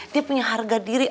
dia punya harga diri